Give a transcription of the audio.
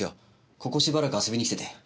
ここしばらく遊びに来てて。